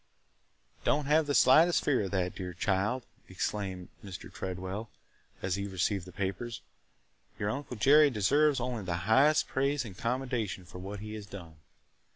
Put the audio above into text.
"Don't have the slightest fear of that, dear child!" exclaimed Mr. Tredwell as he received the papers. "Your Uncle Jerry deserves only the highest praise and commendation for what he has done.